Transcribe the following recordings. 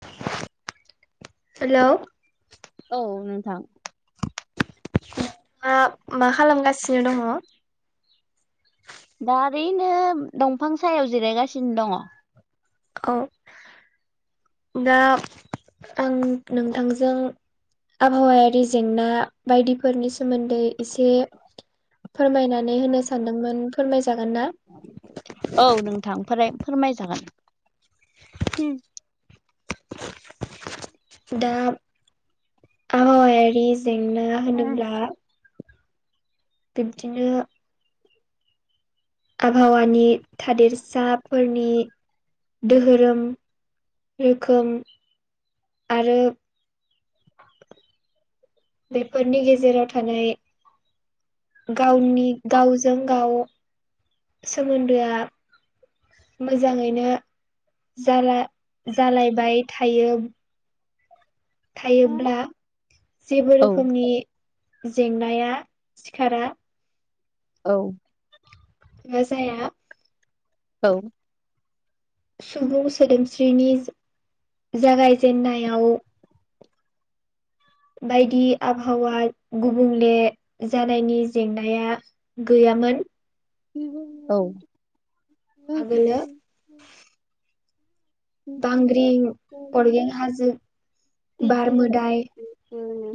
[unintelligible] Hello औ नोंथां। मा मा खालामगासिनो दंङ? दा ओरैनो दंफां सायाव जिरायगासिनो दंङ। औ दा आं नोंथांजों आबहावायारि जेंना बायदिफोरनि सोमोन्दै इसे फोरमायनानै होनो सानदोंमोन फोरमायजागोन ना? औ नोंथां फोराय फोरमायजागोन। दा आबहावायारि जेंना होनोब्ला बिब्दिनो आबहावानि थादेरसाफोरनि दोहोरोम रोखोम आरो बेफोरनि गेजेराव थानाय गावनि गावजों गाव सोमोन्दोआ मोजाङैनो जाला जालायबाय थायो थायोब्ला जेबो औ रोखोमनि जेंनाया सिखारा। औ बा जाया औ सुबुं सोदोमस्रिनि जा-जागायजेेनायाव बायदि आबहावा गुबुंले जानायनि जेंनाया गैया यामोन। औ आगोलो बांग्रिं अरगें हाजो बार मोदाय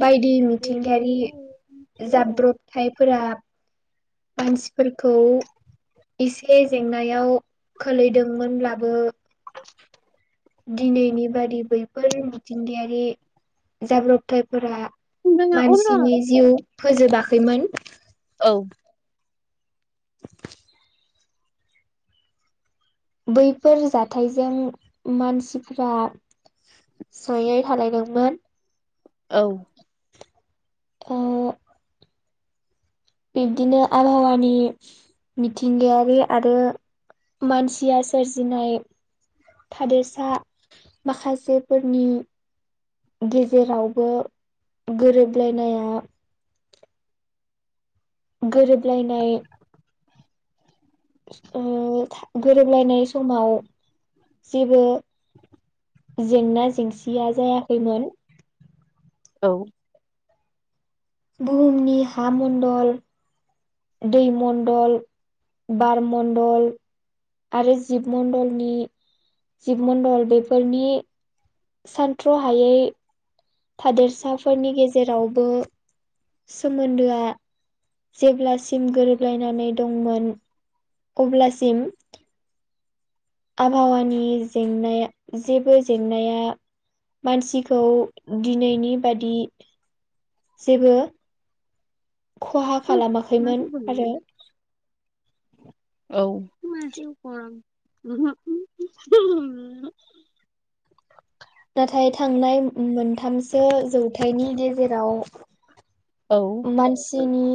बायदि मिथिंगायारि जाब्रबथायफोरा मानसिफोरखौ एसे जेंनायाव खोलैदोंमोनब्लाबो दिनैनि बादि बैफोर मिथिंगायारि जाब्रबथाय फोरा मानसिनि जिउ फोजोबाखैमोन। औ [inaudible] बैफोर जाथायजों मानसिफ्रा जयै थालायदोंमोन। औ ओ बिब्दिनो आबहावानि मिथिंगायारि आरो मानसिया सोरजिनाय थादेरसा माखासेफोरनि गेजेरावबो गोरोबलायनाया गोरोबलायनाय ओ गोरोबलायनाय समाव जेबो जेंना जेंसिया जायाखैमोन। औ बुहुमनि हा मण्डल दै मण्डल, बार मण्डल आरो जिब मण्डलनि जिब मण्डल बेफोरनि सानथ्र'हायै थादेरसाफोरनि गेजेरावबो सोमोन्दोआ जेब्लासिम गोरोबलायनानै दंमोन अब्लासिम आबहावानि जेंनाया जेबो जेंनाया मानसिखौ दिनैनिबादि जेबो खहा खालामाखैमोन आरो। [inaudible] औ [inaudible] नाथाय थांनाय मोनथामसो जौथाइनि गेजेराव मानसिनि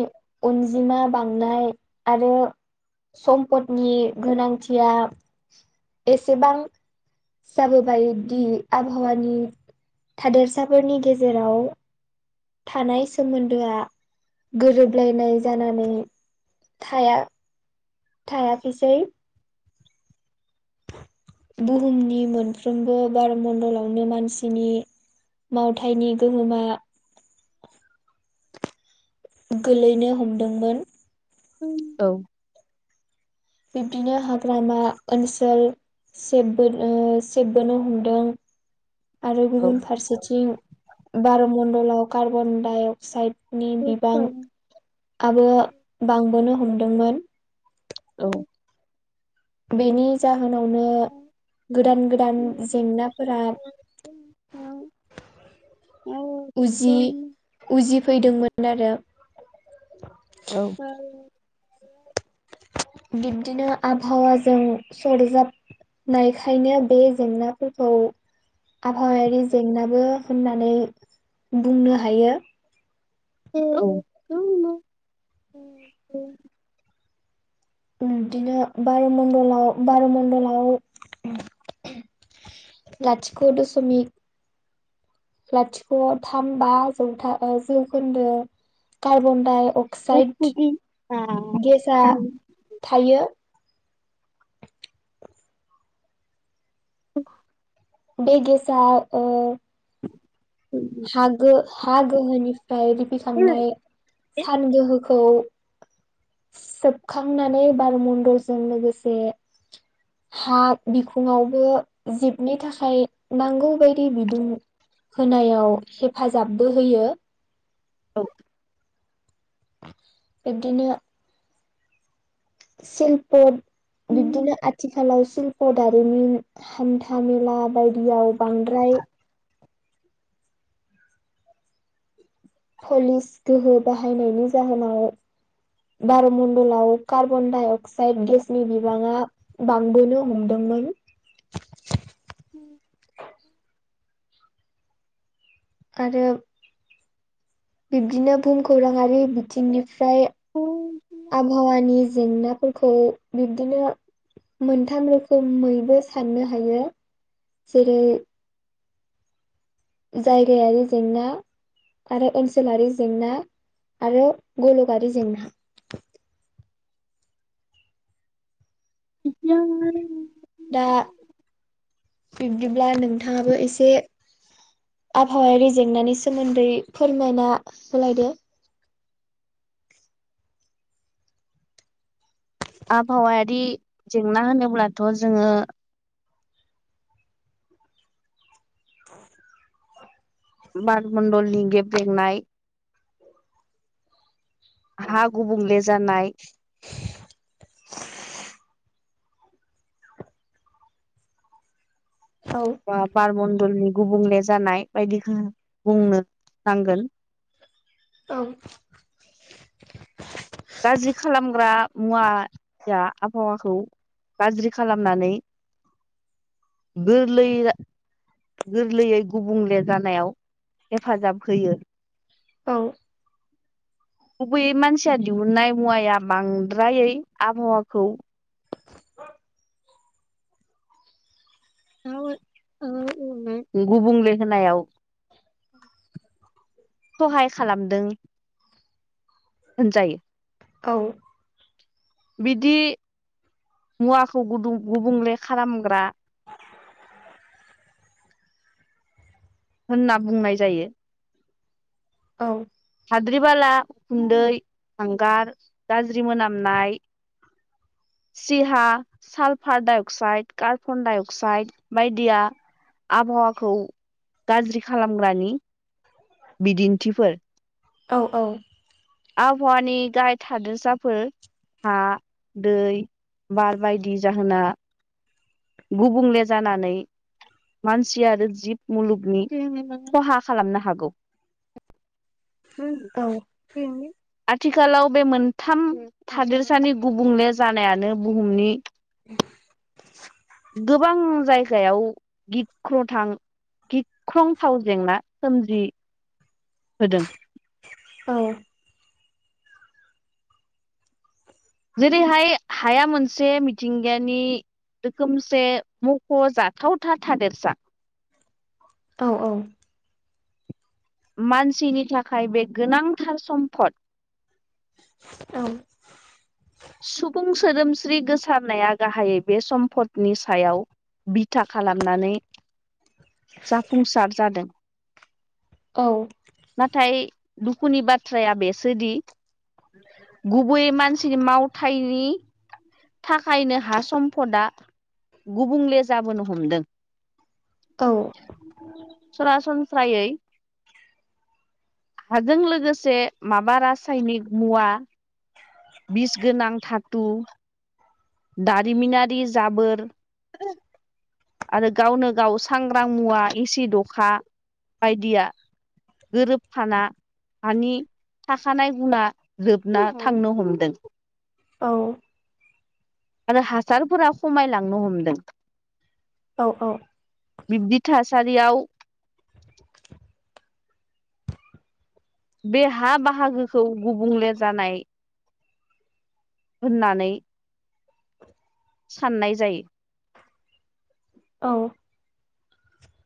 अनजिमा बांनाय आरो सम्पदनि गोनांथिया एसेबां जाबोबायदि आबहावानि थादेरसाफोरनि गेजेराव थानाय सोमोन्दोआ गोरोबलायनाय जानानै थाया थायाखैसै। बुहुमनि मोनफ्रोमबो बारमण्डलावनो मानसिनि मावथायनि गोहोमा गोलैनो हमदोंमोन। औ। बिब्दिनो हाग्रामा ओनसोल सेबबो ओ सेबबोनो हमदों आरो औ गुबुन फारसेथिं बार मण्डलाव कार्बन-डाइ-अक्साइड नि बिबांआबो बांबोनो हमदोंमोन। औ। बेनि जाहोनावनो गोदान गोदान जेंनाफोरा औ औ औ उजि--उजिफैदोंमोन आरो [unintelligible] [inaudible] औ। बिब्दिनो आबहावाजों सरजाब नायखायनो बे जेंनाफोरखौ आबहावायारि जेंनाबो होननानै बुंनो हायो। [unintelligible] [inaudible] बिदिनो बार'मणडलाव बार'मणडलाव लाथिख' द समि लाथिख' थाम बा जौथा ओ- जौखोन्दो कार्बन दाय अक्साइड गेसआ थायो। [unintelligible] [inaudible] बे गेसा ओ- हागो हा गोहोनिफ्राय रिफखांनाय सान गोहो खौ- सेबखांनानै बार मन्दलजों लोगोसे हा बिखुङावबो जिबनि थाखाय नांगौ बायदि बिदुं होनायाव हेफाजाबबो होयो। औ- बिब्दिनो सिलपद बिदिनो आथिखालाव शल्प' दारिमिन हान्था मेला बायदियाव बांद्राय पलिस गोहो बाहायनायनि जाहोनाव बारमण्डलाव कार्बन डाइ अक्साइड गेसनि बिबाङा बांबोनो हमदोंमोन। मोन [unintelligible] [inaudible] आरो बिब्दिनो बुहुमखौराङारि बिथिंनिफ्राय आबहावानि जेंना फोरखौ बिब्दिनो मोनथाम रोखोमैबो साननो हायो। जेरै जायगायारि जेंना। आरो ओनसोलारि जेंना आरो गल'गारि जेंना। [unintelligible] [inaudible] दा बिब्दिब्ला नोंथाङाबो एसे आबहावायारि जेंनानि सोमोन्दै फोरमायना होलायदो आबहावायारि जेंना होनोब्लाथ' जोङो [unintelligible] [inaudible] बारमण्डलनि गेब्रेंनाय हा गुबुंले जानाय औ ओ बारमणडलनि गुबुंले जानाय बायदिखौ बुंनो नांगोन। औ गाज्रि खालामग्रा मुवाया आबहावाखौ गाज्रि खालामनानै गोरलै गोरलैयै गुबुंले जानायाव हेफाजाब होयो। औ गुबैयै मानसिया दिहुननाय मुवाया बांद्रायै आबहावाखौ गुबुंले होनायाव सहाय खालामदों होनजायो। औ बिदि मुवाखौ गुदुं गुबुंले खालामग्रा होनना बुंनाय जायो। औ हाद्रि बाला गुन्दै हांगार गाज्रि मोनामनाय। [inaudible] सिहा सालफाड dioxide carbon dioxide बायदिया आबहावाखौ गाज्रि खालामग्रानि बिदिन्थिफोर औ औ आबहावानि गाहाय थादेरसाफोर हा दै बार बायदि जाहोना गुबुंले जानानै मानसि आरो जिब मुलुगनि खहा खालामनो हागौ। औ [unintelligible] आथिखालाव बे मोनथाम थादेरसानि गुबुंले जानायानो बुहुमनि [inaudible] गोबां जायगायाव गिख्रथां गिख्रंथाव जेंना सोमजि होदों। औ जेरैहाय हाया मोनसे मिथिंगानि रोखोमसे मखजाथाव था-थादेरसा औ औ मानसिनि थाखाय बे गोनांथार सम्पद। औ सुबुं सोदोमस्रि गोसारनाया गाहायै बे सम्पदनि सायाव बिथा खालामनानै जाफुंसार जादों। औ नाथाय दुखुनि बाथ्राया बेसोदि गुबैयै मानसिनि माव थायनि थाखायनो हा सम्पदआ गुबुंले जाबोनो हमदों। सरासनस्रायै हाजों लोगोसे माबा रासायनिक मुवा। गोनां धातु दारिमिनारि जाबोर आरो गावनो गाव सांग्रां मुवा एसिद अखा। बायदिया गोरोबफाना हानि थाखानाय गुना जोबना थांनो हमदों। औ आरो हासारफोरा खमायलांनो हमदों। औ औ। बिब्दि थासारियाव बे हा बाहागोखौ गुबुंले जानाय होननानै साननाय जायो। औ।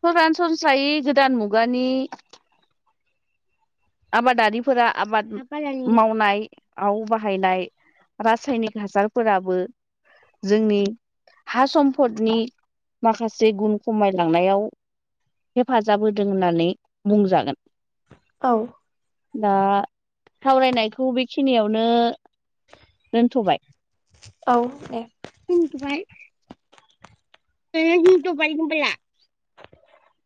सरासनस्रायै गोदान मुगानि आबादारिफोरा आबाद मावनायआव बाहायनाय रासायनिक हासारफोराबो जोंनि हा सम्फदनि माखासे गुन खमायलांनायाव हेफाजाब होदों होननानै बुंजागोन। औ। दा सावरायनायखौ बेखिनियावनो दोनथबाय। औ दे। दोनथ'बाय [unintelligible]